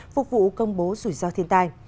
phục vụ công bố rủi ro thiên tai